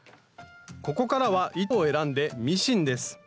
ここからは糸を選んでミシンです。